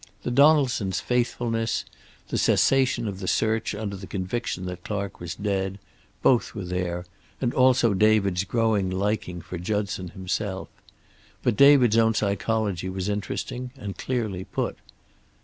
The Donaldsons' faithfulness, the cessation of the search under the conviction that Clark was dead, both were there, and also David's growing liking for Judson himself. But David's own psychology was interesting and clearly put.